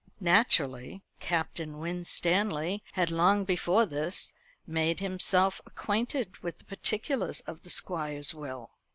Naturally, Captain Winstanley had long before this made himself acquainted with the particulars of the Squire's will.